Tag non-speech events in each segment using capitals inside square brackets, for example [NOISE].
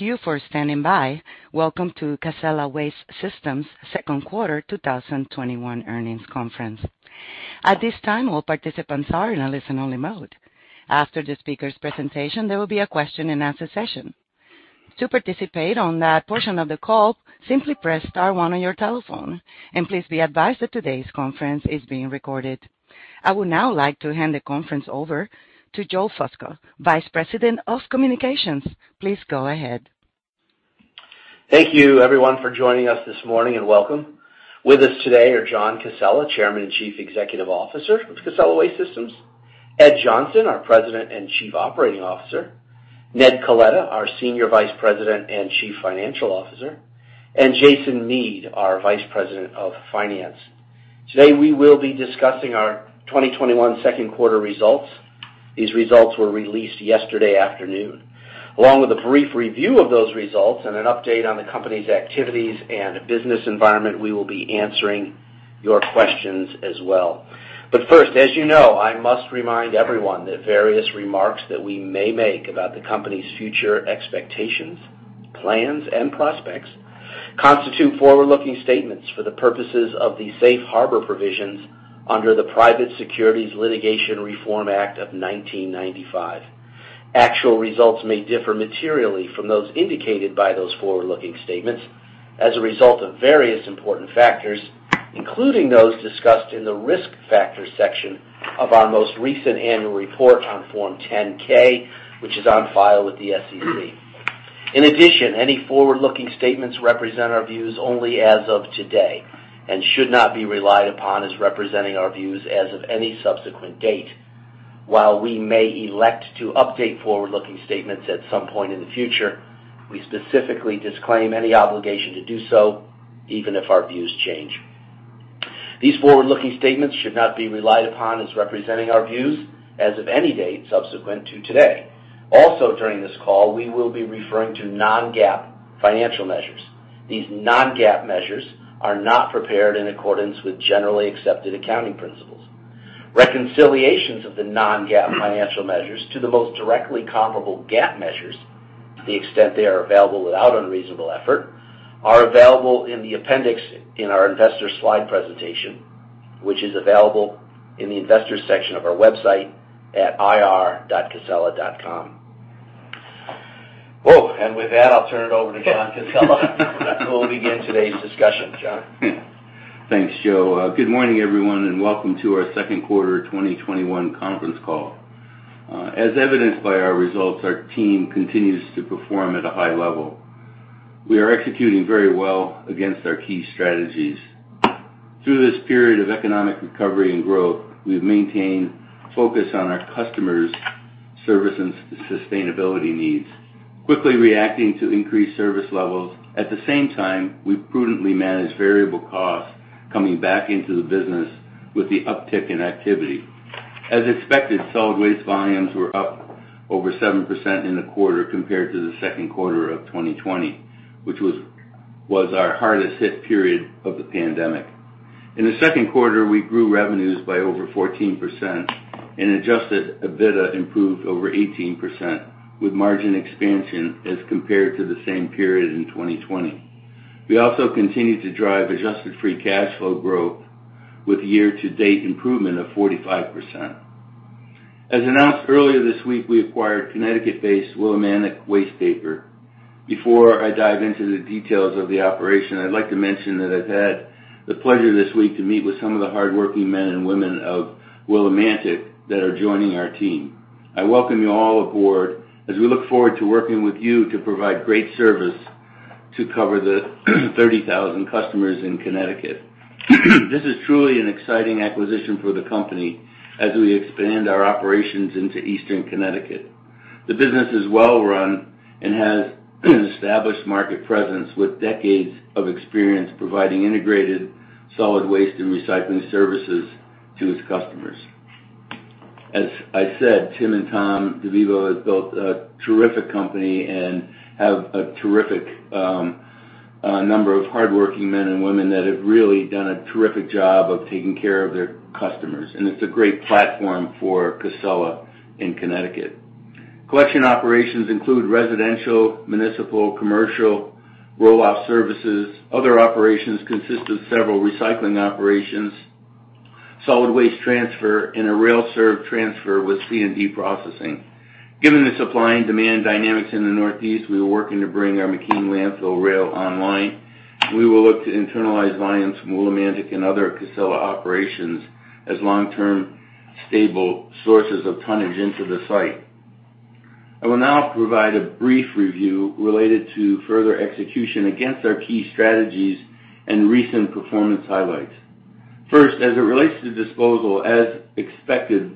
You for standing by. Welcome to Casella Waste Systems' second quarter 2021 Earnings Conference. All participants are in a listen-only mode. After the speakers presentation there will be a Question-and-Answer session. To participate on that portion of the call, simply press star one on your telephone, and please be advised that today's conference is being recorded. I would now like to hand the conference over to Joseph Fusco, Vice President of Communications. Please go ahead. Thank you everyone for joining us this morning, and welcome. With us today are John Casella, Chairman and Chief Executive Officer of Casella Waste Systems, Ed Johnson, our President and Chief Operating Officer, Ned Coletta, our Senior Vice President and Chief Financial Officer, and Jason Mead, our Vice President of Finance. Today we will be discussing our 2021 second quarter results. These results were released yesterday afternoon. Along with a brief review of those results and an update on the company's activities and business environment, we will be answering your questions as well. First, as you know, I must remind everyone that various remarks that we may make about the company's future expectations, plans, and prospects constitute forward-looking statements for the purposes of the safe harbor provisions under the Private Securities Litigation Reform Act of 1995. Actual results may differ materially from those indicated by those forward-looking statements as a result of various important factors, including those discussed in the risk factors section of our most recent annual report on Form 10-K, which is on file with the SEC. In addition, any forward-looking statements represent our views only as of today and should not be relied upon as representing our views as of any subsequent date. While we may elect to update forward-looking statements at some point in the future, we specifically disclaim any obligation to do so, even if our views change. These forward-looking statements should not be relied upon as representing our views as of any date subsequent to today. Also, during this call, we will be referring to non-GAAP financial measures. These non-GAAP measures are not prepared in accordance with generally accepted accounting principles. Reconciliations of the non-GAAP financial measures to the most directly comparable GAAP measures, to the extent they are available without unreasonable effort, are available in the appendix in our investor slide presentation, which is available in the investors section of our website at ir.casella.com. Whoa. With that, I'll turn it over to John Casella who will begin today's discussion. John. Thanks, Joe. Good morning, everyone, and welcome to our second quarter 2021 conference call. As evidenced by our results, our team continues to perform at a high level. We are executing very well against our key strategies. Through this period of economic recovery and growth, we've maintained focus on our customers' service and sustainability needs, quickly reacting to increased service levels. At the same time, we prudently manage variable costs coming back into the business with the uptick in activity. As expected, solid waste volumes were up over 7% in the quarter compared to the second quarter of 2020, which was our hardest hit period of the pandemic. In the second quarter, we grew revenues by over 14%, and adjusted EBITDA improved over 18%, with margin expansion as compared to the same period in 2020. We also continued to drive adjusted free cash flow growth with year-to-date improvement of 45%. As announced earlier this week, we acquired Connecticut-based Willimantic Waste Paper. Before I dive into the details of the operation, I'd like to mention that I've had the pleasure this week to meet with some of the hardworking men and women of Willimantic that are joining our team. I welcome you all aboard as we look forward to working with you to provide great service to cover the 30,000 customers in Connecticut. This is truly an exciting acquisition for the company as we expand our operations into Eastern Connecticut. The business is well run and has established market presence with decades of experience providing integrated solid waste and recycling services to its customers. As I said, Tim and Tom DeVivo have built a terrific company and have a terrific number of hardworking men and women that have really done a terrific job of taking care of their customers, and it's a great platform for Casella in Connecticut. Collection operations include residential, municipal, commercial, roll-off services. Other operations consist of several recycling operations, solid waste transfer, and a rail serve transfer with C&D processing. Given the supply and demand dynamics in the Northeast, we are working to bring our McKean Landfill rail online. We will look to internalize volumes from Willimantic and other Casella operations as long-term stable sources of tonnage into the site. I will now provide a brief review related to further execution against our key strategies and recent performance highlights. First, as it relates to disposal, as expected,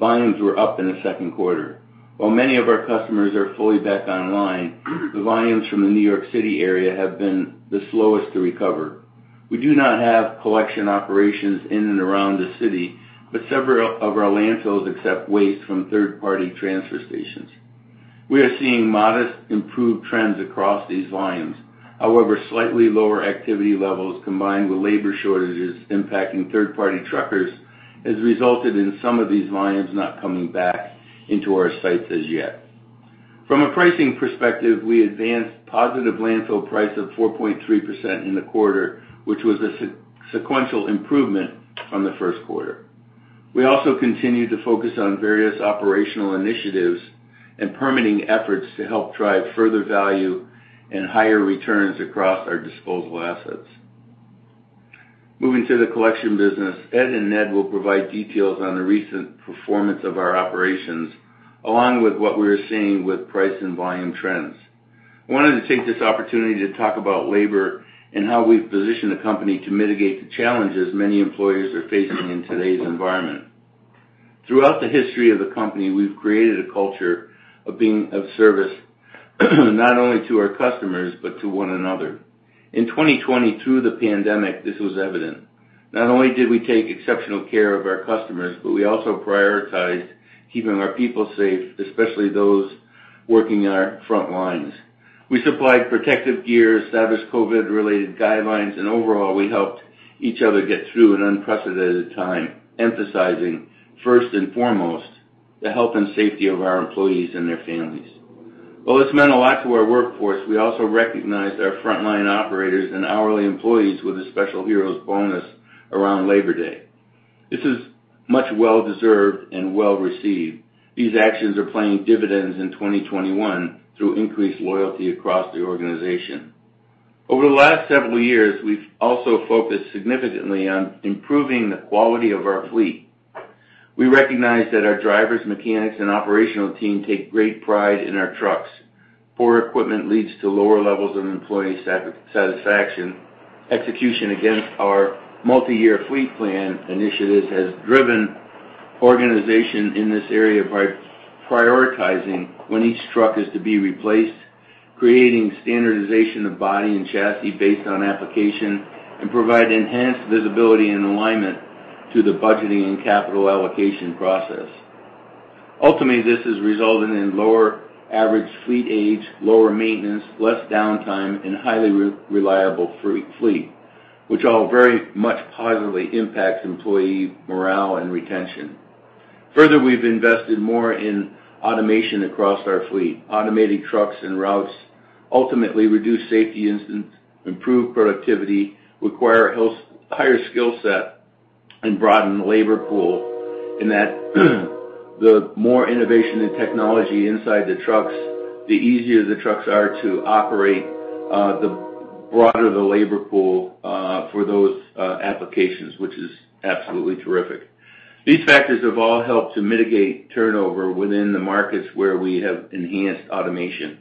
volumes were up in the second quarter. While many of our customers are fully back online, the volumes from the New York City area have been the slowest to recover. We do not have collection operations in and around the city, but several of our landfills accept waste from third-party transfer stations. We are seeing modest improved trends across these volumes. However, slightly lower activity levels combined with labor shortages impacting third-party truckers, has resulted in some of these volumes not coming back into our sites as yet. From a pricing perspective, we advanced positive landfill price of 4.3% in the quarter, which was a sequential improvement from the first quarter. We also continued to focus on various operational initiatives and permitting efforts to help drive further value and higher returns across our disposal assets. Moving to the collection business, Ed and Ned will provide details on the recent performance of our operations, along with what we are seeing with price and volume trends. I wanted to take this opportunity to talk about labor and how we've positioned the company to mitigate the challenges many employers are facing in today's environment. Throughout the history of the company, we've created a culture of service, not only to our customers, but to one another. In 2020, through the pandemic, this was evident. Not only did we take exceptional care of our customers, but we also prioritized keeping our people safe, especially those working on our front lines. We supplied protective gear, established COVID-related guidelines, and overall, we helped each other get through an unprecedented time, emphasizing first and foremost, the health and safety of our employees and their families. While it's meant a lot to our workforce, we also recognized our frontline operators and hourly employees with a special heroes' bonus around Labor Day. This is much well-deserved and well-received. These actions are paying dividends in 2021 through increased loyalty across the organization. Over the last several years, we've also focused significantly on improving the quality of our fleet. We recognize that our drivers, mechanics, and operational team take great pride in our trucks. Poor equipment leads to lower levels of employee satisfaction. Execution against our multi-year fleet plan initiatives has driven organization in this area by prioritizing when each truck is to be replaced, creating standardization of body and chassis based on application, and provide enhanced visibility and alignment to the budgeting and capital allocation process. Ultimately, this has resulted in lower average fleet age, lower maintenance, less downtime, and highly reliable fleet, which all very much positively impacts employee morale and retention. Further, we've invested more in automation across our fleet. Automated trucks and routes ultimately reduce safety incidents, improve productivity, require a higher skill set, and broaden the labor pool in that the more innovation and technology inside the trucks, the easier the trucks are to operate, the broader the labor pool for those applications, which is absolutely terrific. These factors have all helped to mitigate turnover within the markets where we have enhanced automation.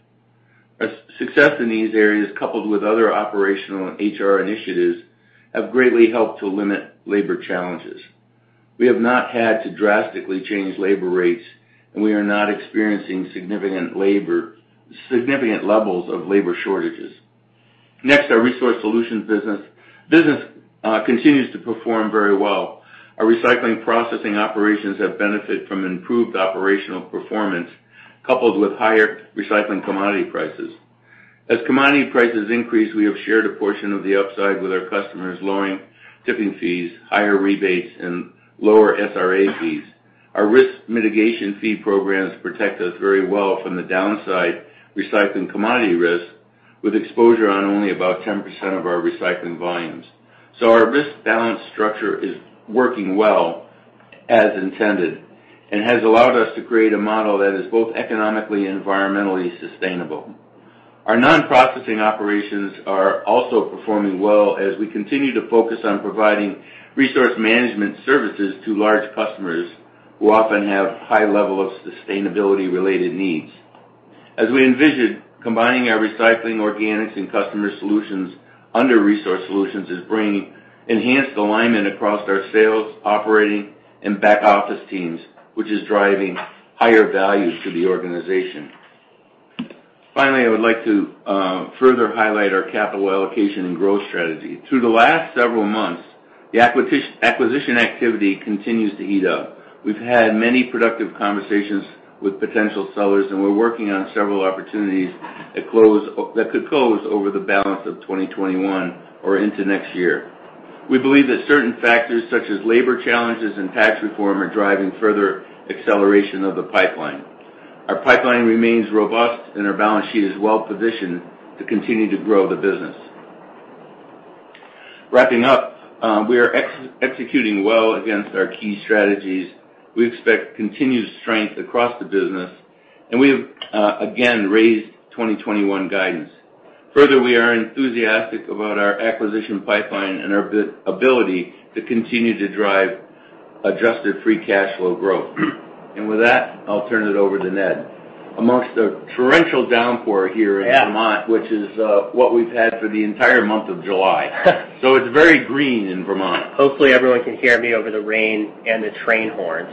Our success in these areas, coupled with other operational and HR initiatives, have greatly helped to limit labor challenges. We have not had to drastically change labor rates, and we are not experiencing significant levels of labor shortages. Next, our resource solutions business continues to perform very well. Our recycling processing operations have benefited from improved operational performance, coupled with higher recycling commodity prices. As commodity prices increase, we have shared a portion of the upside with our customers, lowering tipping fees, higher rebates, and lower SRA fees. Our risk mitigation fee programs protect us very well from the downside recycling commodity risks, with exposure on only about 10% of our recycling volumes. Our risk balance structure is working well as intended and has allowed us to create a model that is both economically and environmentally sustainable. Our non-processing operations are also performing well as we continue to focus on providing resource management services to large customers who often have high levels of sustainability-related needs. As we envisioned, combining our recycling, organics, and customer solutions under resource solutions is bringing enhanced alignment across our sales, operating, and back-office teams, which is driving higher value to the organization. Finally, I would like to further highlight our capital allocation and growth strategy. Through the last several months, the acquisition activity continues to heat up. We've had many productive conversations with potential sellers, and we're working on several opportunities that could close over the balance of 2021 or into next year. We believe that certain factors such as labor challenges and tax reform are driving further acceleration of the pipeline. Our pipeline remains robust and our balance sheet is well-positioned to continue to grow the business. Wrapping up, we are executing well against our key strategies. We expect continued strength across the business, and we have again raised 2021 guidance. Further, we are enthusiastic about our acquisition pipeline and our ability to continue to drive adjusted free cash flow growth. With that, I'll turn it over to Ned. Amongst a torrential downpour here in Vermont, which is what we've had for the entire month of July. It's very green in Vermont. Hopefully, everyone can hear me over the rain and the train horns.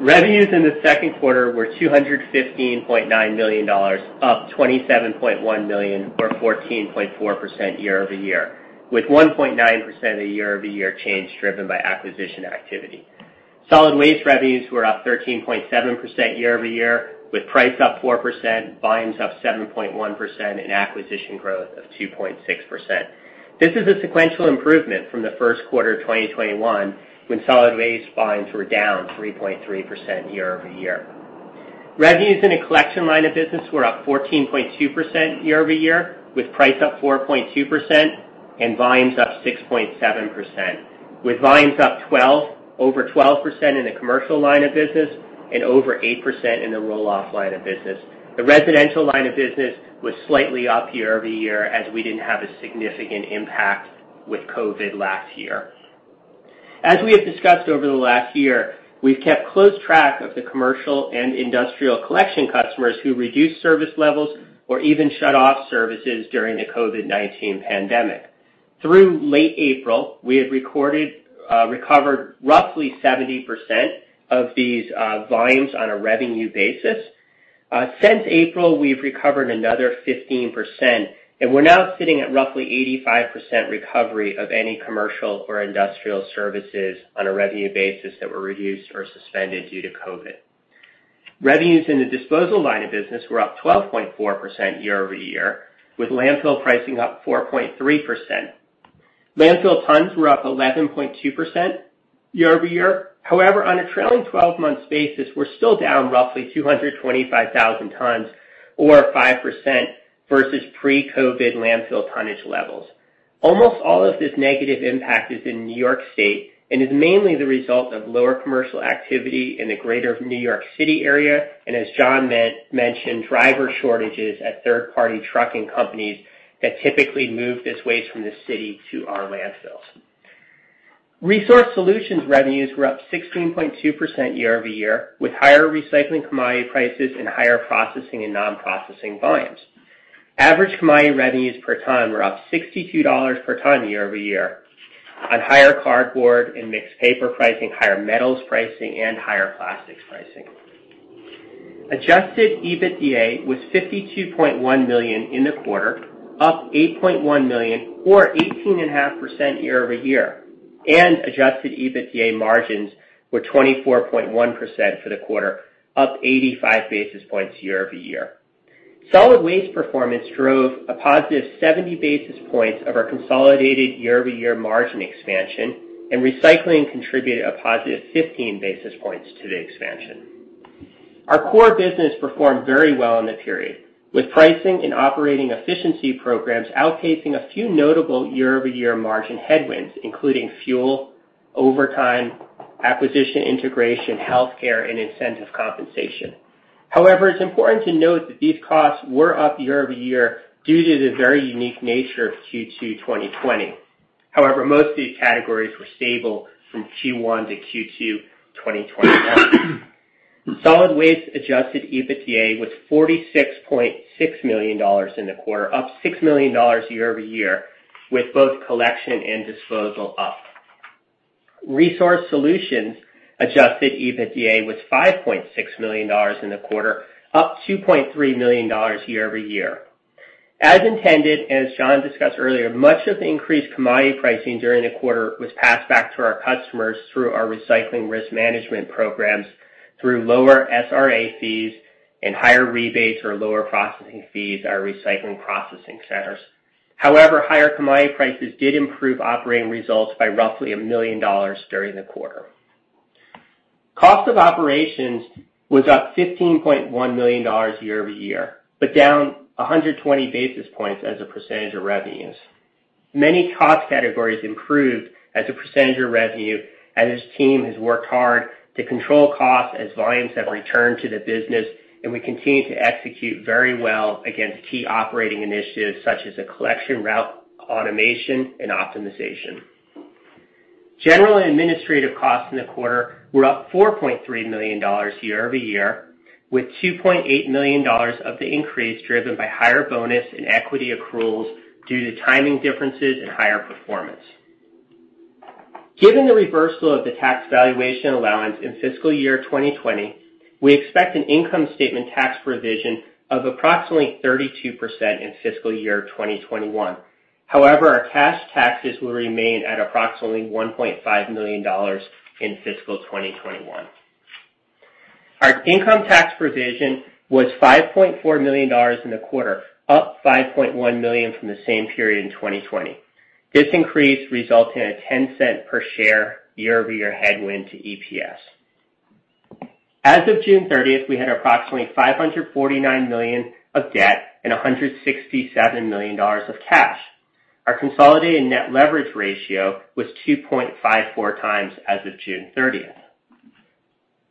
Revenues in the second quarter were $215.9 million, up $27.1 million or 14.4% year-over-year, with 1.9% of year-over-year change driven by acquisition activity. Solid waste revenues were up 13.7% year-over-year, with price up 4%, volumes up 7.1%, and acquisition growth of 2.6%. This is a sequential improvement from the first quarter of 2021, when solid waste volumes were down 3.3% year-over-year. Revenues in the collection line of business were up 14.2% year-over-year, with price up 4.2% and volumes up 6.7%, with volumes up over 12% in the commercial line of business and over 8% in the roll-off line of business. The residential line of business was slightly up year-over-year as we didn't have a significant impact with COVID last year. As we have discussed over the last year, we've kept close track of the commercial and industrial collection customers who reduced service levels or even shut off services during the COVID-19 pandemic. Through late April, we had recovered roughly 70% of these volumes on a revenue basis. Since April, we've recovered another 15%, and we're now sitting at roughly 85% recovery of any commercial or industrial services on a revenue basis that were reduced or suspended due to COVID. Revenues in the disposal line of business were up 12.4% year-over-year, with landfill pricing up 4.3%. Landfill tons were up 11.2% year-over-year. However, on a trailing 12-month basis, we're still down roughly 225,000 tons or 5% versus pre-COVID landfill tonnage levels. Almost all of this negative impact is in New York State and is mainly the result of lower commercial activity in the greater New York City area, and as John mentioned, driver shortages at third-party trucking companies that typically move this waste from the city to our landfills. Resource Solutions revenues were up 16.2% year-over-year, with higher recycling commodity prices and higher processing and non-processing volumes. Average commodity revenues per ton were up $62 per ton year-over-year on higher cardboard and mixed paper pricing, higher metals pricing, and higher plastics pricing. Adjusted EBITDA was $52.1 million in the quarter, up $8.1 million or 18.5% year-over-year. Adjusted EBITDA margins were 24.1% for the quarter, up 85 basis points year-over-year. Solid waste performance drove a positive 70 basis points of our consolidated year-over-year margin expansion, and recycling contributed a positive 15 basis points to the expansion. Our core business performed very well in the period, with pricing and operating efficiency programs outpacing a few notable year-over-year margin headwinds, including fuel, overtime, acquisition integration, healthcare, and incentive compensation. However, it's important to note that these costs were up year-over-year due to the very unique nature of Q2 2020. However, most of these categories were stable from Q1 to Q2 2021. Solid waste adjusted EBITDA was $46.6 million in the quarter, up $6 million year-over-year, with both collection and disposal up. Resource Solutions adjusted EBITDA was $5.6 million in the quarter, up $2.3 million year-over-year. As intended, and as John discussed earlier, much of the increased commodity pricing during the quarter was passed back to our customers through our recycling risk management programs through lower SRA fees and higher rebates or lower processing fees at our recycling processing centers. However, higher commodity prices did improve operating results by roughly $1 million during the quarter. Cost of operations was up $15.1 million year-over-year, but down 120 basis points as a percentage of revenues. Many cost categories improved as a percentage of revenue, as this team has worked hard to control costs as volumes have returned to the business, and we continue to execute very well against key operating initiatives, such as the collection route automation and optimization. General and administrative costs in the quarter were up $4.3 million year-over-year, with $2.8 million of the increase driven by higher bonus and equity accruals due to timing differences and higher performance. Given the reversal of the tax valuation allowance in fiscal year 2020, we expect an income statement tax provision of approximately 32% in fiscal year 2021. However, our cash taxes will remain at approximately $1.5 million in fiscal 2021. Our income tax provision was $5.4 million in the quarter, up $5.1 million from the same period in 2020. This increase results in a $0.10 per share year-over-year headwind to EPS. As of June 30th, we had approximately $549 million of debt and $167 million of cash. Our consolidated net leverage ratio was 2.54x as of June 30th.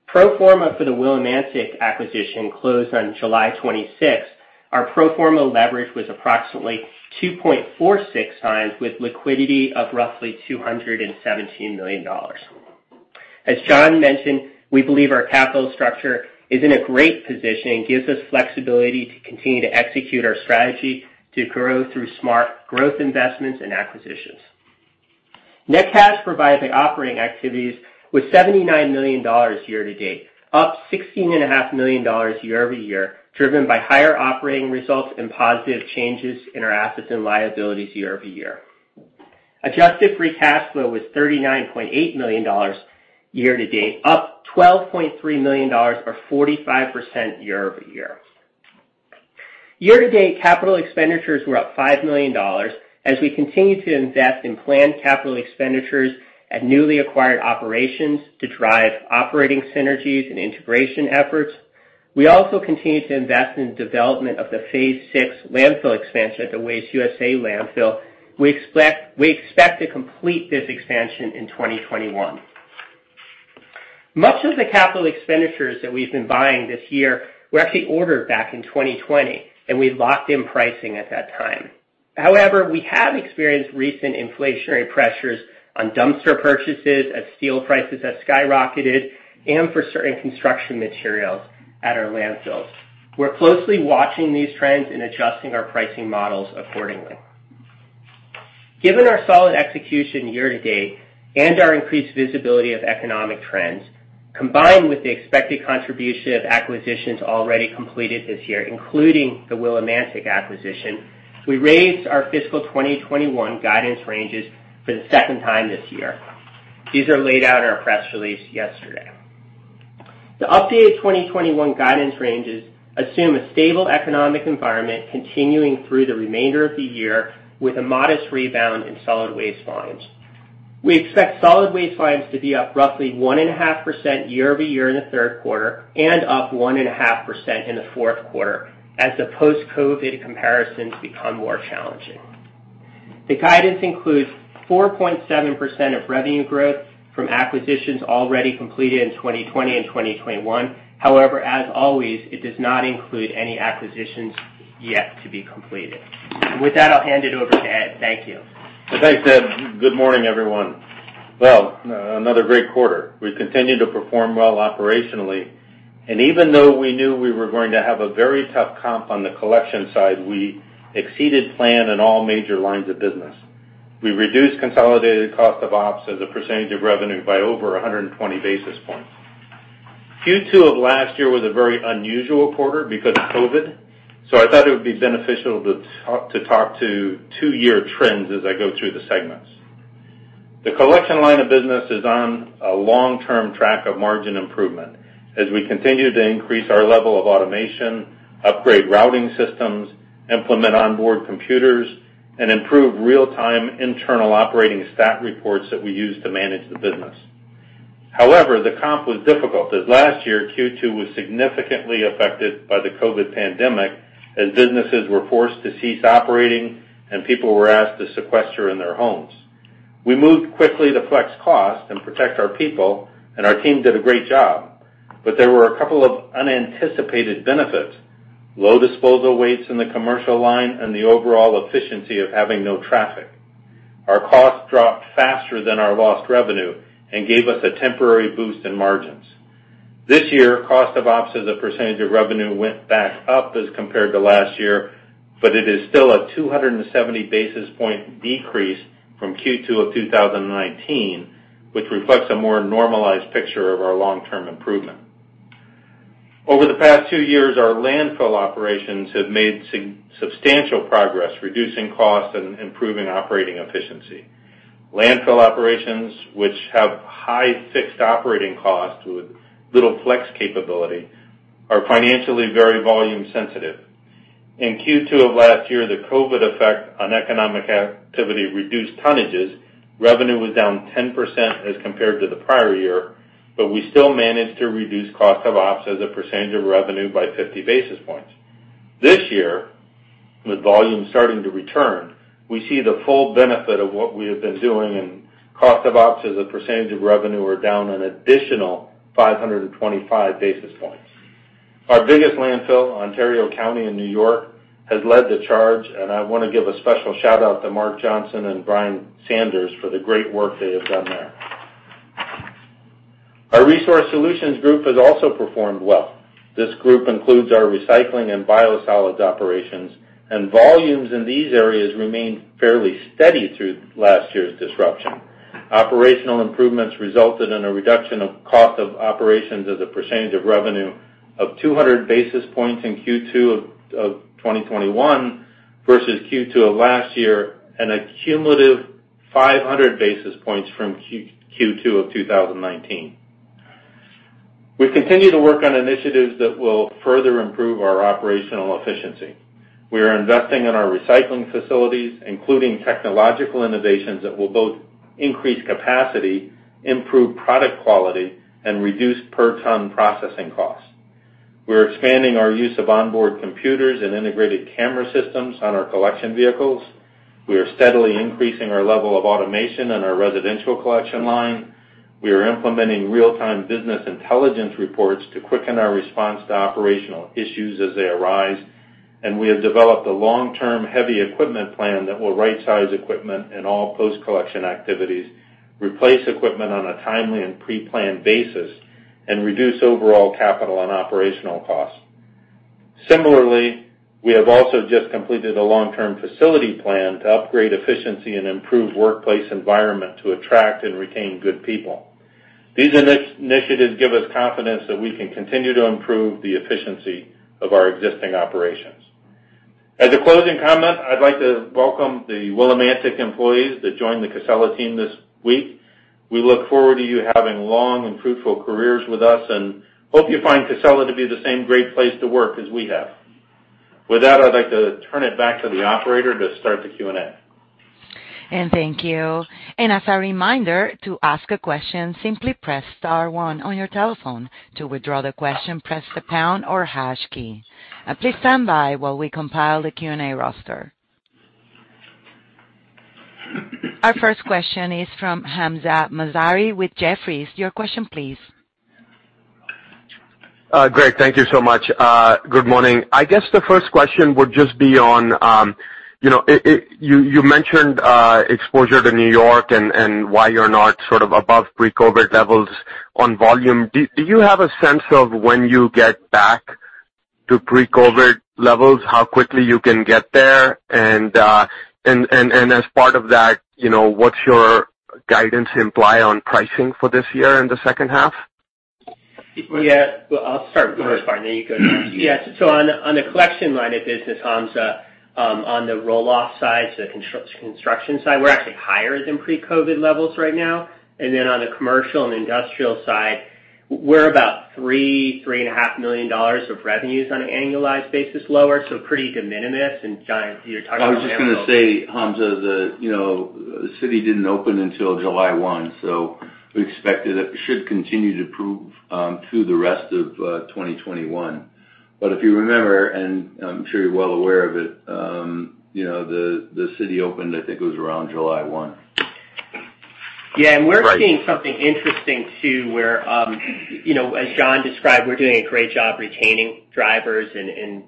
Pro forma for the Willimantic acquisition closed on July 26th. Our pro forma leverage was approximately 2.46x, with liquidity of roughly $217 million. As John mentioned, we believe our capital structure is in a great position and gives us flexibility to continue to execute our strategy to grow through smart growth investments and acquisitions. Net cash provided by operating activities was $79 million year-to-date, up $16.5 million year-over-year, driven by higher operating results and positive changes in our assets and liabilities year-over-year. Adjusted free cash flow was $39.8 million year-to-date, up $12.3 million or 45% year-over-year. Year-to-date capital expenditures were up $5 million as we continue to invest in planned capital expenditures at newly acquired operations to drive operating synergies and integration efforts. We also continue to invest in development of the phase VI landfill expansion at the WasteUSA landfill. We expect to complete this expansion in 2021. Much of the capital expenditures that we've been buying this year were actually ordered back in 2020, and we locked in pricing at that time. However, we have experienced recent inflationary pressures on dumpster purchases as steel prices have skyrocketed and for certain construction materials at our landfills. We're closely watching these trends and adjusting our pricing models accordingly. Given our solid execution year-to-date and our increased visibility of economic trends, combined with the expected contribution of acquisitions already completed this year, including the Willimantic acquisition, we raised our fiscal 2021 guidance ranges for the second time this year. These are laid out in our press release yesterday. The updated 2021 guidance ranges assume a stable economic environment continuing through the remainder of the year with a modest rebound in solid waste volumes. We expect solid waste volumes to be up roughly 1.5% year-over-year in the third quarter and up 1.5% in the fourth quarter as the post-COVID comparisons become more challenging. The guidance includes 4.7% of revenue growth from acquisitions already completed in 2020 and 2021. However, as always, it does not include any acquisitions yet to be completed. With that, I'll hand it over to Ed. Thank you. Thanks, Ned. Good morning, everyone. Well, another great quarter. We've continued to perform well operationally, and even though we knew we were going to have a very tough comp on the collection side, we exceeded plan in all major lines of business. We reduced consolidated cost of ops as a percentage of revenue by over 120 basis points. Q2 of last year was a very unusual quarter because of COVID. I thought it would be beneficial to talk to two-year trends as I go through the segments. The collection line of business is on a long-term track of margin improvement as we continue to increase our level of automation, upgrade routing systems, implement onboard computers, and improve real-time internal operating stat reports that we use to manage the business. However, the comp was difficult, as last year, Q2 was significantly affected by the COVID pandemic, as businesses were forced to cease operating and people were asked to sequester in their homes. We moved quickly to flex costs and protect our people, and our team did a great job, but there were a couple of unanticipated benefits. Low disposal rates in the commercial line and the overall efficiency of having no traffic. Our costs dropped faster than our lost revenue and gave us a temporary boost in margins. This year, cost of ops as a percentage of revenue went back up as compared to last year, but it is still a 270 basis point decrease from Q2 of 2019, which reflects a more normalized picture of our long-term improvement. Over the past two years, our landfill operations have made substantial progress reducing costs and improving operating efficiency. Landfill operations, which have high fixed operating costs with little flex capability, are financially very volume sensitive. In Q2 of last year, the COVID effect on economic activity reduced tonnages. Revenue was down 10% as compared to the prior year, but we still managed to reduce cost of ops as a percentage of revenue by 50 basis points. This year, with volume starting to return, we see the full benefit of what we have been doing, and cost of ops as a percentage of revenue are down an additional 525 basis points. Our biggest landfill, Ontario County in New York, has led the charge, and I want to give a special shout-out to Mark Johnson and Brian Sanders for the great work they have done there. Our resource solutions group has also performed well. This group includes our recycling and biosolids operations, and volumes in these areas remained fairly steady through last year's disruption. Operational improvements resulted in a reduction of cost of operations as a percentage of revenue of 200 basis points in Q2 of 2021 versus Q2 of last year and a cumulative 500 basis points from Q2 of 2019. We continue to work on initiatives that will further improve our operational efficiency. We are investing in our recycling facilities, including technological innovations that will both increase capacity, improve product quality, and reduce per-ton processing costs. We are expanding our use of onboard computers and integrated camera systems on our collection vehicles. We are steadily increasing our level of automation in our residential collection line. We are implementing real-time business intelligence reports to quicken our response to operational issues as they arise, and we have developed a long-term heavy equipment plan that will right-size equipment in all post-collection activities, replace equipment on a timely and pre-planned basis, and reduce overall capital and operational costs. Similarly, we have also just completed a long-term facility plan to upgrade efficiency and improve workplace environment to attract and retain good people. These initiatives give us confidence that we can continue to improve the efficiency of our existing operations. As a closing comment, I'd like to welcome the Willimantic employees that joined the Casella team this week. We look forward to you having long and fruitful careers with us, and hope you find Casella to be the same great place to work as we have. With that, I'd like to turn it back to the operator to start the Q&A. Thank you. As a reminder, to ask a question, simply press star one on your telephone. To withdraw the question, press the pound or hash key. Please stand by while we compile the Q&A roster. Our first question is from Hamzah Mazari with Jefferies. Your question please. Great. Thank you so much. Good morning. I guess the first question would just be on, you mentioned exposure to New York and why you're not above pre-COVID levels on volume. Do you have a sense of when you get back to pre-COVID levels, how quickly you can get there? As part of that, what's your guidance imply on pricing for this year in the second half? I'll start first, then you go next. On the collection line of business, Hamzah, on the roll-off side, so the construction side, we're actually higher than pre-COVID levels right now. On the commercial and industrial side, we're about $3 million-$3.5 million of revenues on an annualized basis lower, so pretty de minimis. John, you're talking about landfills- I was just going to say, Hamzah, the city didn't open until July 1, so we expect it should continue to improve through the rest of 2021. If you remember, and I'm sure you're well aware of it, the city opened, I think it was around July 1. We're seeing something interesting, too, where, as John described, we're doing a great job retaining drivers and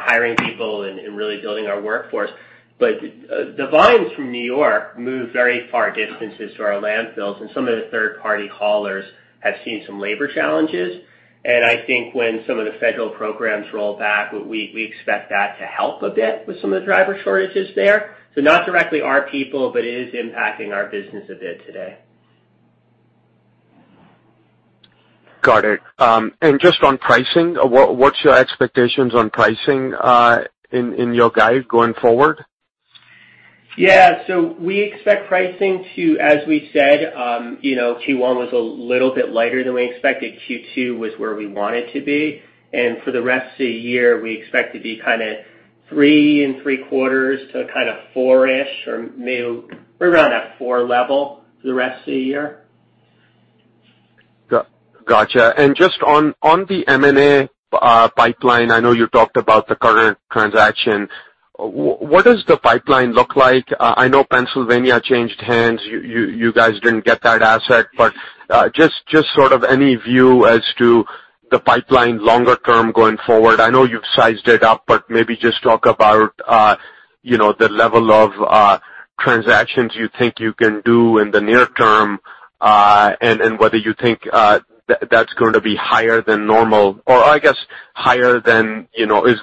hiring people and really building our workforce. The volumes from N.Y. move very far distances to our landfills, and some of the third-party haulers have seen some labor challenges. I think when some of the federal programs roll back, we expect that to help a bit with some of the driver shortages there. Not directly our people, but it is impacting our business a bit today. Got it. Just on pricing, what's your expectations on pricing in your guide going forward? Yeah. We expect pricing to, as we said, Q1 was a little bit lighter than we expected. Q2 was where we wanted to be. For the rest of the year, we expect to be kind of three and three quarters to kind of four-ish, or maybe around that four level for the rest of the year. Gotcha. Just on the M&A pipeline, I know you talked about the current transaction. What does the pipeline look like? I know Pennsylvania changed hands. You guys didn't get that asset, but just any view as to the pipeline longer term going forward? I know you've sized it up, but maybe just talk about the level of transactions you think you can do in the near term, and whether you think that's going to be higher than normal, or is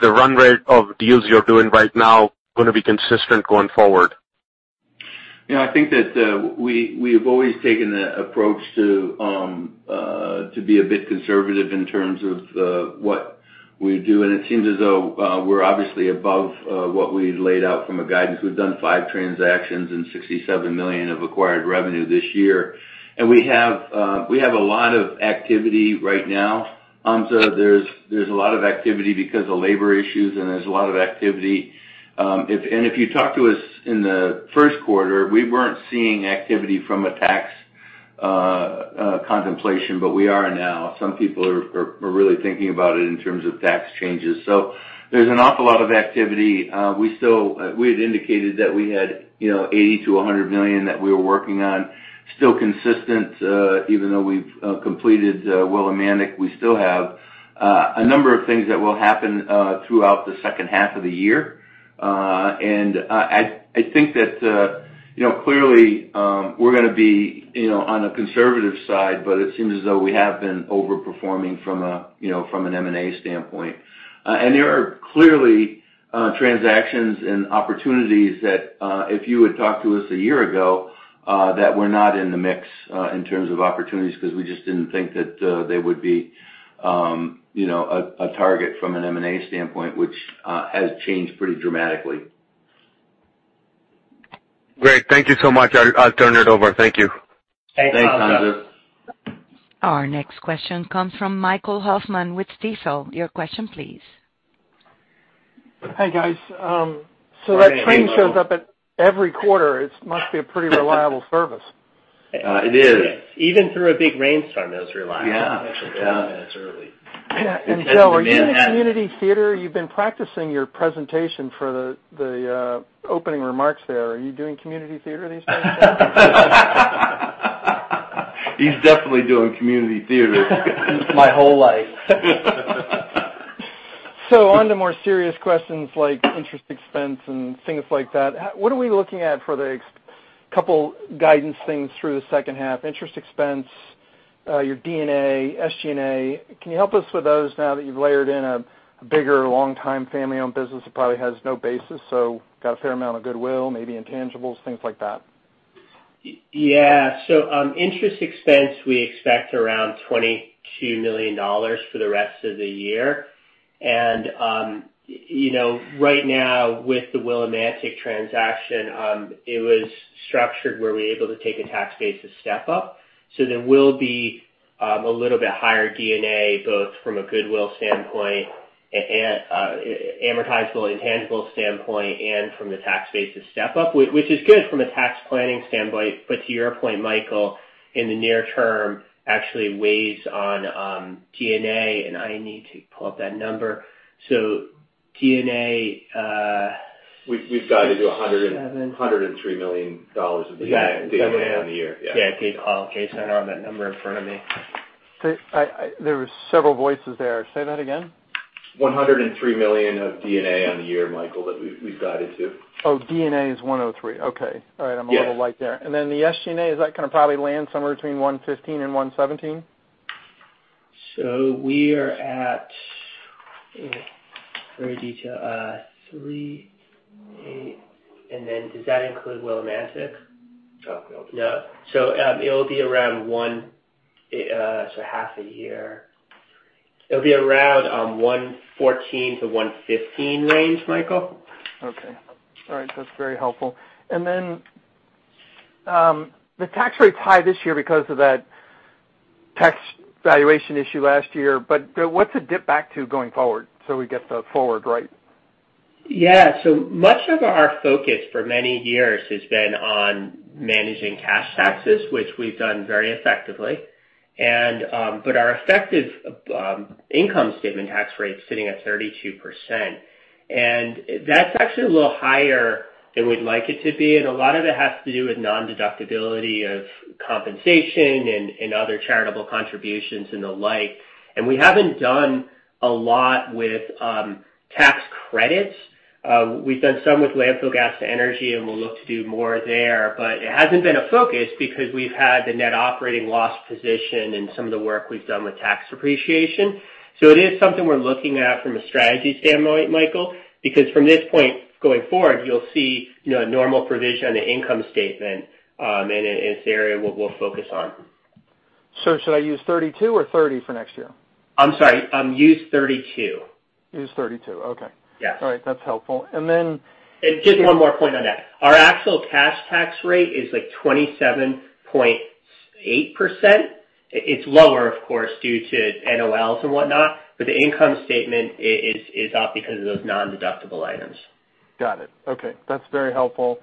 the run rate of deals you're doing right now going to be consistent going forward? I think that we have always taken the approach to be a bit conservative in terms of what we do, and it seems as though we're obviously above what we laid out from a guidance. We've done five transactions and $67 million of acquired revenue this year. We have a lot of activity right now. Hamzah, there's a lot of activity because of labor issues. If you talked to us in the first quarter, we weren't seeing activity from a tax contemplation, but we are now. Some people are really thinking about it in terms of tax changes. There's an awful lot of activity. We had indicated that we had $80 million-$100 million that we were working on. Still consistent, even though we've completed Willimantic, we still have a number of things that will happen throughout the second half of the year. I think that clearly, we're going to be on a conservative side, but it seems as though we have been over-performing from an M&A standpoint. There are clearly transactions and opportunities that, if you had talked to us a year ago, that were not in the mix in terms of opportunities, because we just didn't think that they would be a target from an M&A standpoint, which has changed pretty dramatically. Great. Thank you so much. I'll turn it over. Thank you. Thanks, Hamzah. Thanks, Hamzah. Our next question comes from Michael Hoffman with Stifel. Your question please. Hey, guys. That train shows up at every quarter. It must be a pretty reliable service. It is. Even through a big rainstorm, it was reliable. Yeah. It was early. Joe, are you in a community theater? You've been practicing your presentation for the opening remarks there. Are you doing community theater these days, Joe? He's definitely doing community theater. My whole life. On to more serious questions like interest expense and things like that. What are we looking at for the couple guidance things through the second half? Interest expense, your D&A, SG&A. Can you help us with those now that you've layered in a bigger, long-time, family-owned business that probably has no basis, so got a fair amount of goodwill, maybe intangibles, things like that? Yeah. Interest expense, we expect around $22 million for the rest of the year. Right now, with the Willimantic transaction, it was structured where we were able to take a tax basis step-up. There will be a little bit higher D&A, both from a goodwill standpoint, amortizable intangible standpoint, and from the tax basis step-up, which is good from a tax planning standpoint. To your point, Michael, in the near term, actually weighs on D&A, and I need to pull up that number. We've guided to $103 million of D&A on the year. Yeah. Okay. Sorry, I don't have that number in front of me. There were several voices there. Say that again. $103 million of D&A on the year, Michael, that we've guided to. Oh, D&A is $103 million. Okay. All right. Yeah. I'm a little light there. Then the SG&A, is that going to probably land somewhere between $115 million and $117 million? We are at. [INAUDIBLE] Does that include Willimantic? Oh, no. It'll be around one half a year. It'll be around $114 million-$115 million range, Michael. Okay. All right. That's very helpful. The tax rate is high this year because of that tax valuation issue last year, but what's it dip back to going forward so we get the forward right? Yeah. Much of our focus for many years has been on managing cash taxes, which we've done very effectively. Our effective income statement tax rate is sitting at 32%, and that's actually a little higher than we'd like it to be. A lot of it has to do with non-deductibility of compensation and other charitable contributions and the like. We haven't done a lot with tax credits. We've done some with landfill gas to energy, and we'll look to do more there, but it hasn't been a focus because we've had the net operating loss position and some of the work we've done with tax depreciation. It is something we're looking at from a strategy standpoint, Michael, because from this point going forward, you'll see a normal provision on the income statement, and it's an area we'll focus on. Should I use 32% or 30% for next year? I'm sorry. Use 32%. Use 32%. Okay. Yes. All right. That's helpful. Just one more point on that. Our actual cash tax rate is like 27.8%. It's lower, of course, due to NOLs and whatnot, but the income statement is off because of those non-deductible items. Got it. Okay. That's very helpful.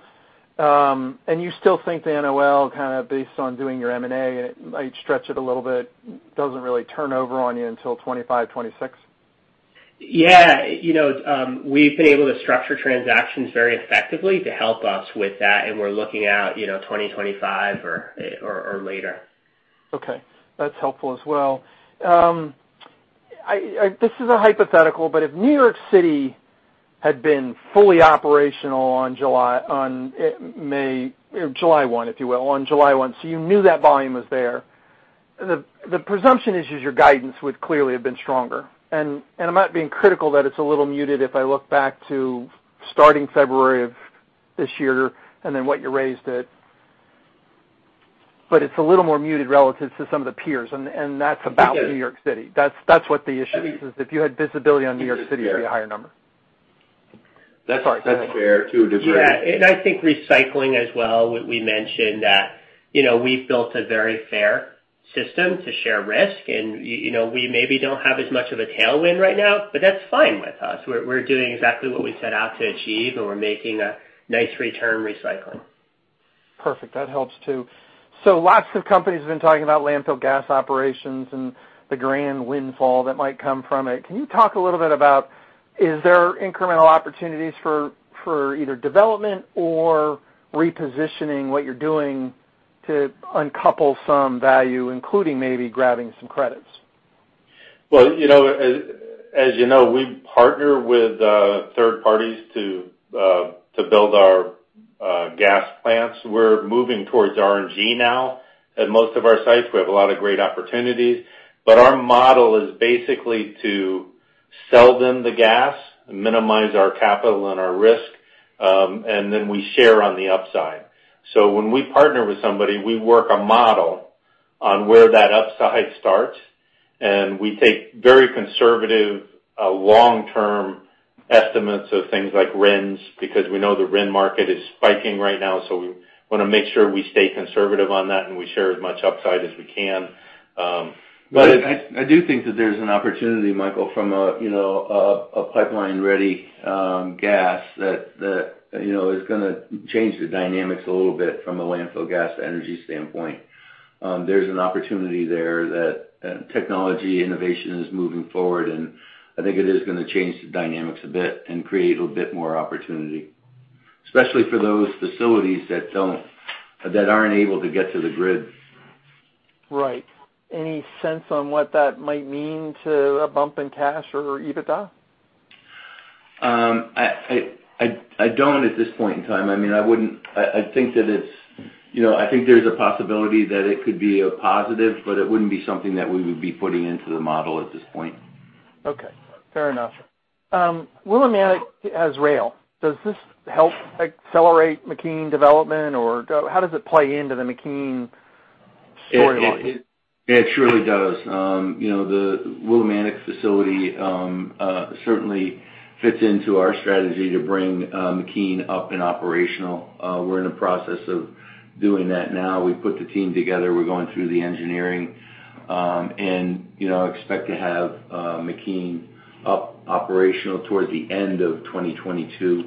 You still think the NOL, kind of based on doing your M&A, and it might stretch it a little bit, doesn't really turn over on you until 2025, 2026? Yeah. We've been able to structure transactions very effectively to help us with that, and we're looking at 2025 or later. Okay. That's helpful as well. This is a hypothetical, but if New York City had been fully operational on July 1, if you will, on July 1, so you knew that volume was there, the presumption is, your guidance would clearly have been stronger. I'm not being critical that it's a little muted if I look back to starting February of this year and then what you raised it, but it's a little more muted relative to some of the peers, and that's about New York City. That's what the issue is, if you had visibility on New York City, it'd be a higher number. That's fair too. Yeah. I think recycling as well, we mentioned that we've built a very fair system to share risk, and we maybe don't have as much of a tailwind right now, but that's fine with us. We're doing exactly what we set out to achieve, and we're making a nice return recycling. Perfect. That helps too. Lots of companies have been talking about landfill gas operations and the grand windfall that might come from it. Can you talk a little bit about, is there incremental opportunities for either development or repositioning what you're doing to uncouple some value, including maybe grabbing some credits? Well, as you know, we partner with third parties to build our gas plants. We're moving towards RNG now at most of our sites. We have a lot of great opportunities. Our model is basically to sell them the gas and minimize our capital and our risk, and then we share on the upside. When we partner with somebody, we work a model on where that upside starts, and we take very conservative, long-term estimates of things like RINs, because we know the RIN market is spiking right now, so we want to make sure we stay conservative on that and we share as much upside as we can. I do think that there's an opportunity, Michael, from a pipeline-ready gas that is going to change the dynamics a little bit from a landfill gas energy standpoint. There's an opportunity there that technology innovation is moving forward, and I think it is going to change the dynamics a bit and create a bit more opportunity. Especially for those facilities that aren't able to get to the grid. Right. Any sense on what that might mean to a bump in cash or EBITDA? I don't at this point in time. I think there's a possibility that it could be a positive, but it wouldn't be something that we would be putting into the model at this point. Okay, fair enough. Willimantic has rail. Does this help accelerate McKean development, or how does it play into the McKean story line? It surely does. The Willimantic facility certainly fits into our strategy to bring McKean up and operational. We're in the process of doing that now. We put the team together. We're going through the engineering, and expect to have McKean up operational towards the end of 2022,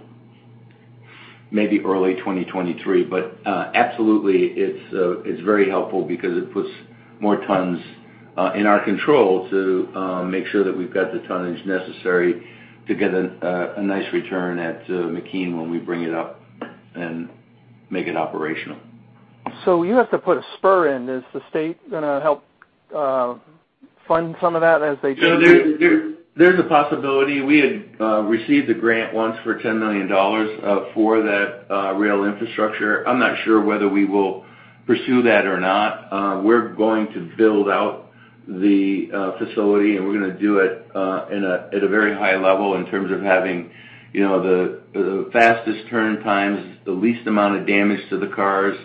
maybe early 2023. Absolutely, it's very helpful because it puts more tons in our control to make sure that we've got the tonnage necessary to get a nice return at McKean when we bring it up and make it operational. You have to put a spur in. Is the state going to help fund some of that as they do? There's a possibility. We had received a grant once for $10 million for that rail infrastructure. I'm not sure whether we will pursue that or not. We're going to build out the facility. We're going to do it at a very high level in terms of having the fastest turn times, the least amount of damage to the cars.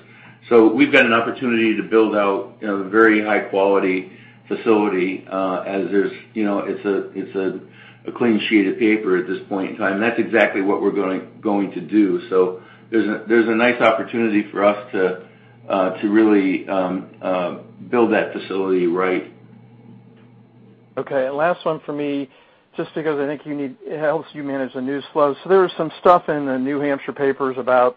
We've got an opportunity to build out a very high-quality facility, as it's a clean sheet of paper at this point in time. That's exactly what we're going to do. There's a nice opportunity for us to really build that facility right. Okay. Last one for me, just because I think it helps you manage the news flow. There was some stuff in the New Hampshire papers about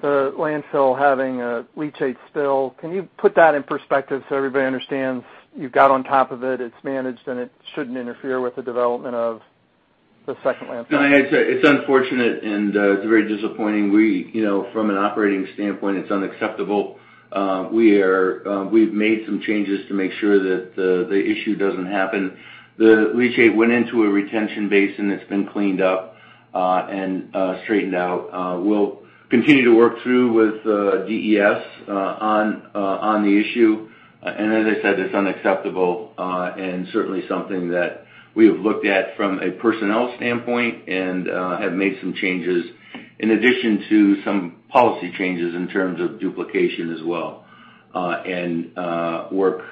the landfill having a leachate spill. Can you put that in perspective so everybody understands you've got on top of it's managed, and it shouldn't interfere with the development of the second landfill? No, it's unfortunate, and it's very disappointing. From an operating standpoint, it's unacceptable. We've made some changes to make sure that the issue doesn't happen. The leachate went into a retention basin that's been cleaned up and straightened out. We'll continue to work through with DES on the issue. As I said, it's unacceptable, and certainly something that we have looked at from a personnel standpoint and have made some changes, in addition to some policy changes in terms of duplication as well, and work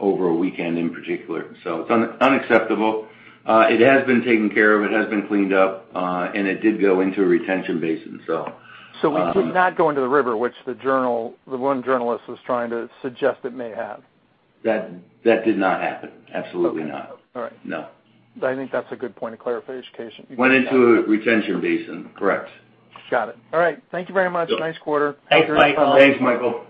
over a weekend in particular. It's unacceptable. It has been taken care of, it has been cleaned up, and it did go into a retention basin. It did not go into the river, which the one journalist was trying to suggest it may have. That did not happen. Absolutely not. Okay. All right. No. I think that's a good point of clarification. Went into a retention basin. Correct. Got it. All right. Thank you very much. Nice quarter. Thanks, Michael.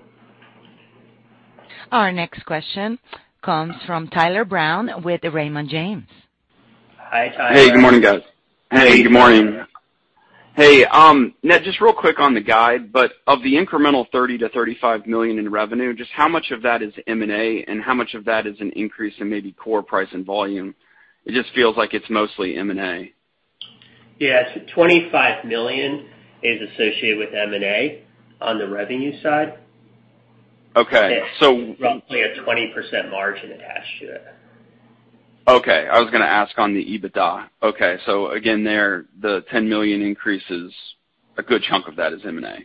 Our next question comes from Tyler Brown with Raymond James. Hi, Tyler. Hey, good morning, guys. Hey, good morning. Hey, Ned, just real quick on the guide, but of the incremental $30 million-$35 million in revenue, just how much of that is M&A, and how much of that is an increase in maybe core price and volume? It just feels like it's mostly M&A. Yeah. $25 million is associated with M&A on the revenue side. Okay. Roughly a 20% margin attached to it. Okay. I was going to ask on the EBITDA. Okay. Again, there, the $10 million increase, a good chunk of that is M&A.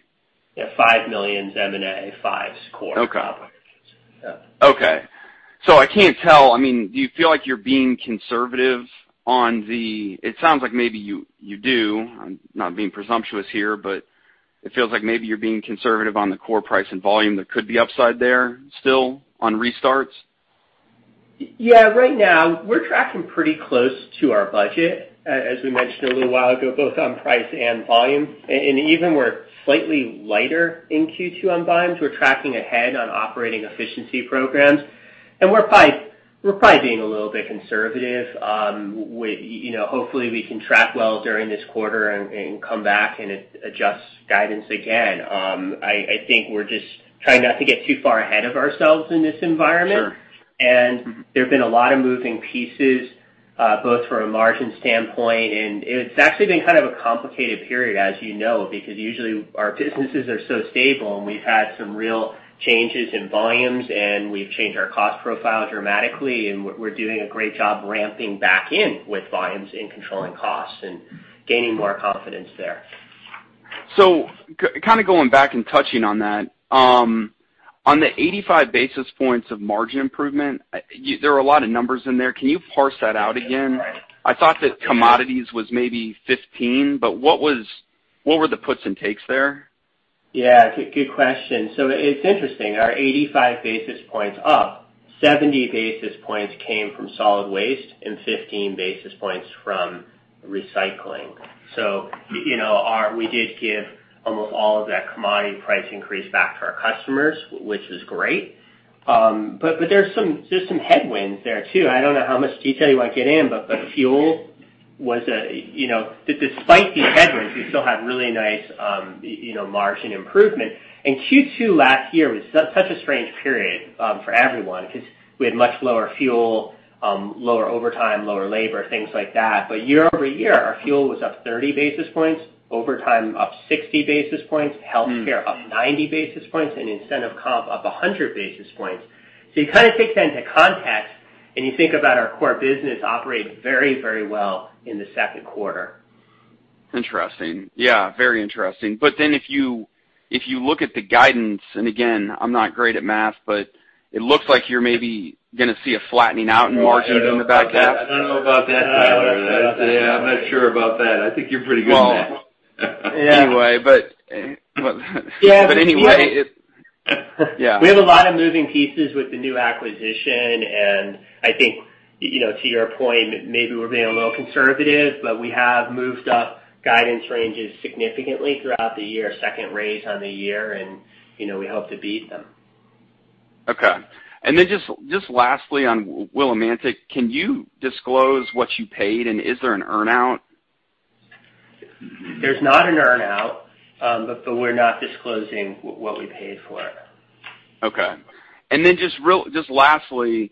Yeah. $5 million's M&A, $5 million's core. I can't tell, do you feel like you're being conservative? It sounds like maybe you do. I'm not being presumptuous here, but it feels like maybe you're being conservative on the core price and volume. There could be upside there still on restarts? Yeah, right now we're tracking pretty close to our budget, as we mentioned a little while ago, both on price and volume. Even we're slightly lighter in Q2 on volumes. We're tracking ahead on operating efficiency programs, and we're probably being a little bit conservative. Hopefully, we can track well during this quarter and come back and adjust guidance again. I think we're just trying not to get too far ahead of ourselves in this environment. Sure. There've been a lot of moving pieces, both from a margin standpoint. It's actually been kind of a complicated period, as you know, because usually our businesses are so stable. We've had some real changes in volumes. We've changed our cost profile dramatically. We're doing a great job ramping back in with volumes and controlling costs and gaining more confidence there. Going back and touching on that, on the 85 basis points of margin improvement, there were a lot of numbers in there. Can you parse that out again? I thought that commodities was maybe 15, but what were the puts and takes there? Good question. It's interesting. Our 85 basis points up, 70 basis points came from solid waste and 15 basis points from recycling. We did give almost all of that commodity price increase back to our customers, which was great. There's some headwinds there, too. I don't know how much detail you want to get in. Despite these headwinds, we still had really nice margin improvement. Q2 last year was such a strange period for everyone because we had much lower fuel, lower overtime, lower labor, things like that. Year-over-year, our fuel was up 30 basis points, overtime up 60 basis points, healthcare up 90 basis points, and incentive comp up 100 basis points. You kind of take that into context, and you think about our core business operating very well in the second quarter. Interesting. Yeah, very interesting. If you look at the guidance, and again, I'm not great at math, but it looks like you're maybe going to see a flattening out in margins in the back half. I don't know about that, Tyler. I'm not sure about that. I think you're pretty good at math. Anyway, anyway Yeah. We have a lot of moving pieces with the new acquisition, and I think to your point, maybe we're being a little conservative, but we have moved up guidance ranges significantly throughout the year, second raise on the year, and we hope to beat them. Okay. Just lastly on Willimantic, can you disclose what you paid, and is there an earn-out? There's not an earn-out. We're not disclosing what we paid for it. Okay. Just lastly,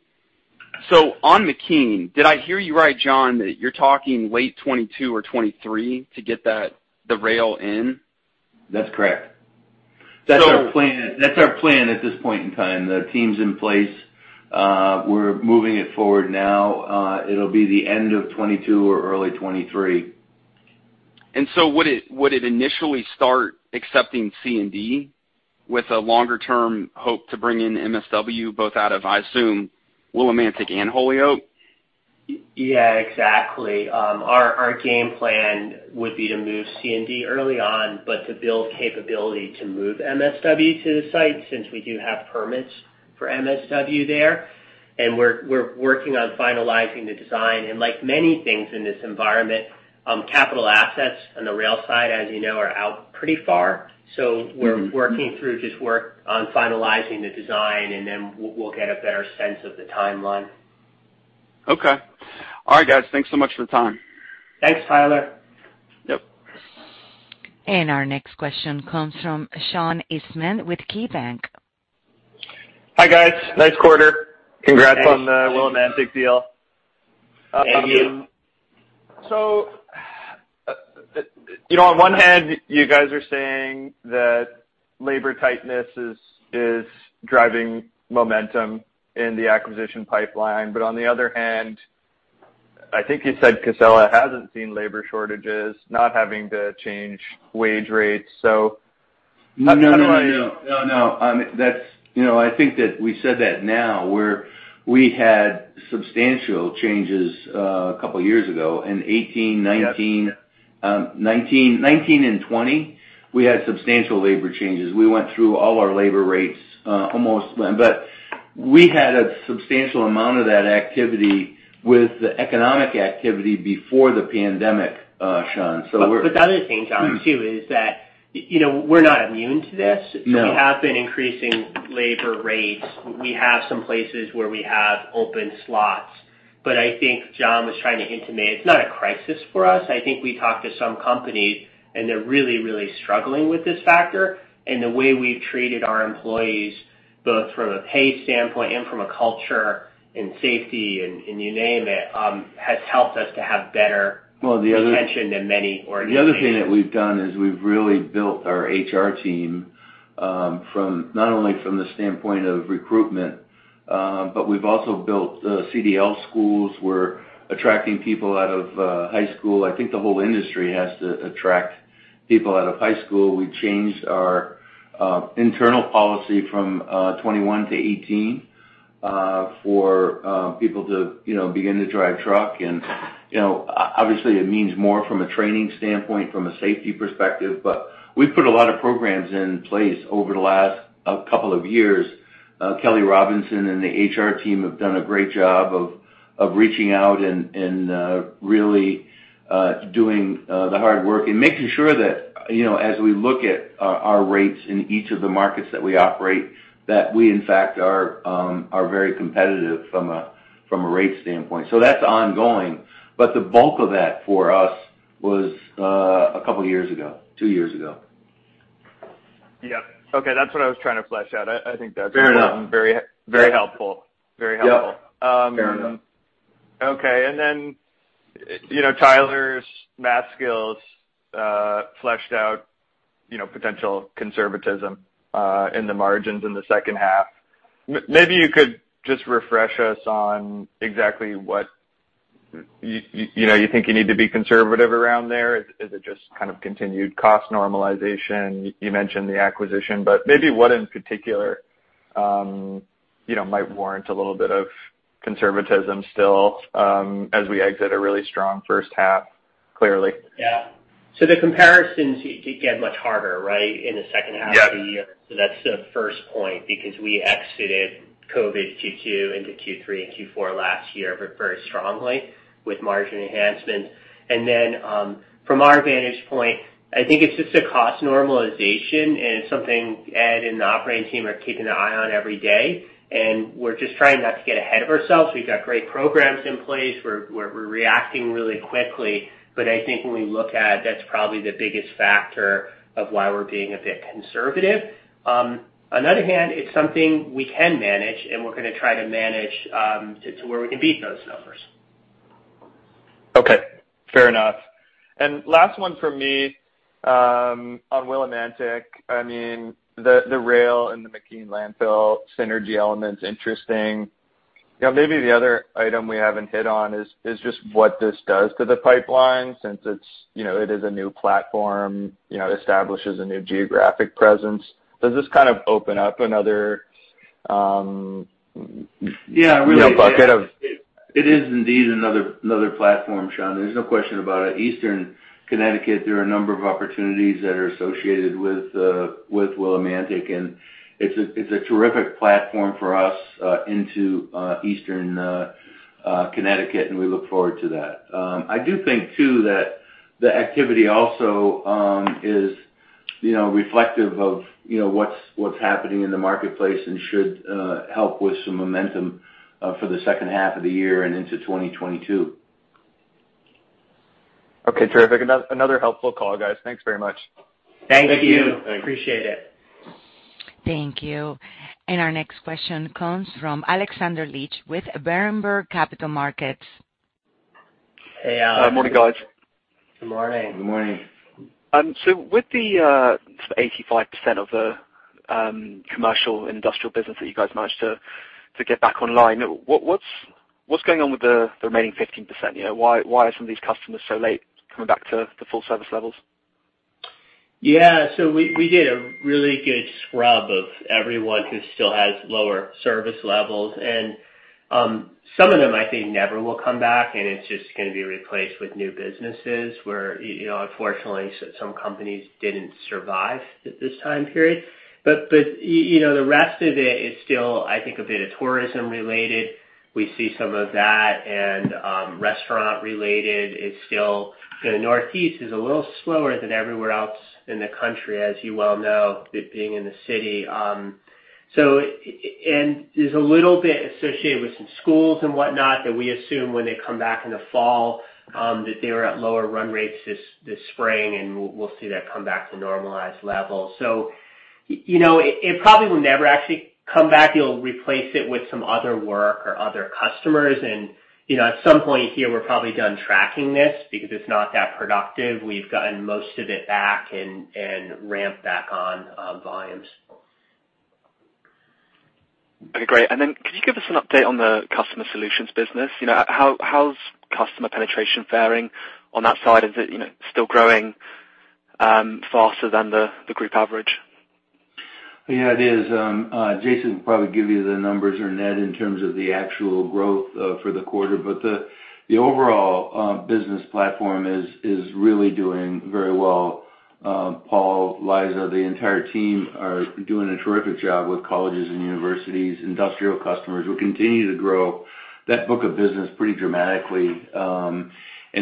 on McKean, did I hear you right, John, that you're talking late 2022 or 2023 to get the rail in? That's correct. That's our plan at this point in time. The team's in place. We're moving it forward now. It'll be the end of 2022 or early 2023. Would it initially start accepting C&D with a longer-term hope to bring in MSW, both out of, I assume, Willimantic and Holyoke? Yeah, exactly. Our game plan would be to move C&D early on, but to build capability to move MSW to the site, since we do have permits for MSW there. We're working on finalizing the design, and like many things in this environment, capital assets on the rail side, as you know, are out pretty far. We're working through just work on finalizing the design, and then we'll get a better sense of the timeline. Okay. All right, guys. Thanks so much for the time. Thanks, Tyler. Yep. Our next question comes from Sean Eastman with KeyBanc. Hi, guys. Nice quarter. Congrats on the Willimantic deal. Thank you. On one hand, you guys are saying that labor tightness is driving momentum in the acquisition pipeline. On the other hand, I think you said Casella hasn't seen labor shortages, not having to change wage rates. How do I? No. I think that we said that now, where we had substantial changes a couple of years ago in 2018, 2019. 2019 and 2020, we had substantial labor changes. We went through all our labor rates, almost. We had a substantial amount of that activity with the economic activity before the pandemic, Sean. we're- The other thing, John, too, is that we're not immune to this. No. We have been increasing labor rates. We have some places where we have open slots. I think John was trying to intimate it's not a crisis for us. I think we talked to some companies, and they're really, really struggling with this factor. The way we've treated our employees, both from a pay standpoint and from a culture and safety and you name it, has helped us to have better. Well. Retention than many organizations. The other thing that we've done is we've really built our HR team, not only from the standpoint of recruitment, but we've also built CDL schools. We're attracting people out of high school. I think the whole industry has to attract people out of high school. We changed our internal policy from 21 to 18 for people to begin to drive truck, and obviously it means more from a training standpoint, from a safety perspective. We've put a lot of programs in place over the last couple of years. Kelley Robinson and the HR team have done a great job of reaching out and really doing the hard work and making sure that as we look at our rates in each of the markets that we operate, that we in fact are very competitive from a rate standpoint. That's ongoing. The bulk of that for us was a couple of years ago. two years ago. Yep. Okay. That's what I was trying to flesh out. Fair enough. Very helpful. Yep. Fair enough. Okay. Tyler's math skills fleshed out potential conservatism in the margins in the second half. Maybe you could just refresh us on exactly what you think you need to be conservative around there. Is it just kind of continued cost normalization? You mentioned the acquisition, but maybe what in particular might warrant a little bit of conservatism still as we exit a really strong first half, clearly. Yeah. The comparisons get much harder, right, in the second half of the year. Yep. That's the first point, because we exited COVID Q2 into Q3 and Q4 last year very strongly with margin enhancement. From our vantage point, I think it's just a cost normalization and something Ed and the operating team are keeping an eye on every day, and we're just trying not to get ahead of ourselves. We've got great programs in place. We're reacting really quickly. I think when we look at it, that's probably the biggest factor of why we're being a bit conservative. On the other hand, it's something we can manage, and we're going to try to manage to where we can beat those numbers. Okay, fair enough. Last one from me on Willimantic. The rail and the WasteUSA landfill synergy element's interesting. Yeah. Maybe the other item we haven't hit on is just what this does to the pipeline since it is a new platform, establishes a new geographic presence. Does this kind of open up another- Yeah. Bucket of- It is indeed another platform, Sean. There's no question about it. Eastern Connecticut, there are a number of opportunities that are associated with Willimantic, and it's a terrific platform for us into Eastern Connecticut, and we look forward to that. I do think, too, that the activity also is reflective of what's happening in the marketplace and should help with some momentum for the second half of the year and into 2022. Okay, terrific. Another helpful call, guys. Thanks very much. Thank you. Appreciate it. Thank you. Our next question comes from Alexander Leach with Berenberg Capital Markets. Hey, Alex. Morning, guys. Good morning. Good morning. With the 85% of the commercial industrial business that you guys managed to get back online, what's going on with the remaining 15%? Why are some of these customers so late coming back to the full-service levels? Yeah. We did a really good scrub of everyone who still has lower service levels. Some of them, I think, never will come back, and it's just going to be replaced with new businesses where, unfortunately, some companies didn't survive this time period. The rest of it is still, I think, a bit of tourism-related. We see some of that. Restaurant-related is still, the Northeast is a little slower than everywhere else in the country, as you well know, being in the city. There's a little bit associated with some schools and whatnot that we assume when they come back in the fall, that they were at lower run rates this spring, and we'll see that come back to normalized levels. It probably will never actually come back. You'll replace it with some other work or other customers. At some point here, we're probably done tracking this because it's not that productive. We've gotten most of it back and ramped back on volumes. Okay, great. Could you give us an update on the customer solutions business? How's customer penetration faring on that side of it? Still growing faster than the group average? Yeah, it is. Jason will probably give you the numbers or Ned in terms of the actual growth for the quarter. The overall business platform is really doing very well. Paul, Liza, the entire team are doing a terrific job with colleges and universities, industrial customers. We're continuing to grow that book of business pretty dramatically and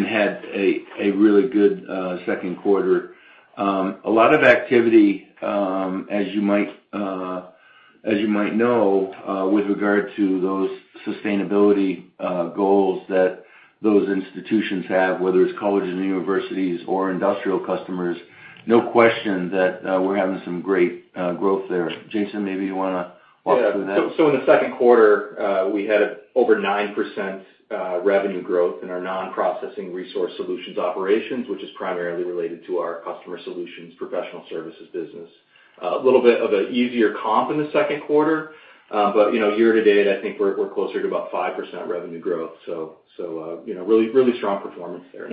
had a really good second quarter. A lot of activity, as you might know, with regard to those sustainability goals that those institutions have, whether it's colleges and universities or industrial customers. No question that we're having some great growth there. Jason, maybe you want to walk through that. Yeah. In the second quarter, we had over 9% revenue growth in our non-processing resource solutions operations, which is primarily related to our customer solutions professional services business. A little bit of an easier comp in the second quarter. Year to date, I think we're closer to about 5% revenue growth. Really strong performance there.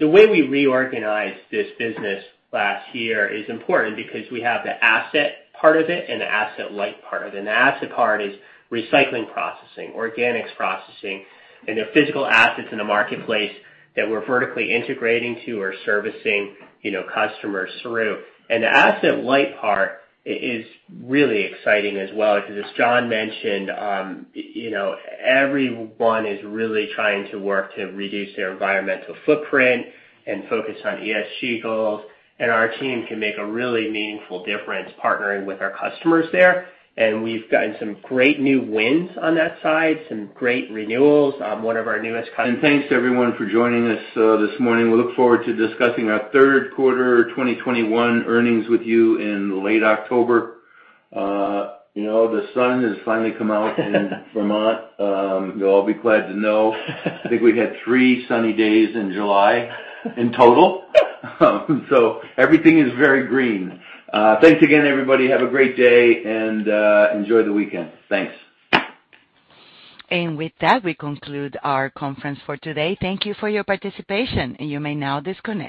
The way we reorganized this business last year is important because we have the asset part of it and the asset-light part of it. The asset part is recycling processing, organics processing, and they're physical assets in the marketplace that we're vertically integrating to or servicing customers through. The asset-light part is really exciting as well because as John Casella mentioned, everyone is really trying to work to reduce their environmental footprint and focus on ESG goals. Our team can make a really meaningful difference partnering with our customers there. We've gotten some great new wins on that side, some great renewals. Thanks to everyone for joining us this morning. We look forward to discussing our third quarter 2021 earnings with you in late October. The sun has finally come out in Vermont. You'll all be glad to know. I think we had 3 sunny days in July in total. Everything is very green. Thanks again, everybody. Have a great day, and enjoy the weekend. Thanks. With that, we conclude our conference for today. Thank you for your participation, and you may now disconnect.